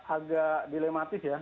agak dilematis ya